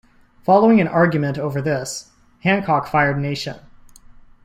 Following an argument over this, Hancock fired Nation.